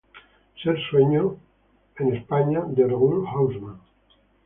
Ser sueño en España" de Raoul Hausmann.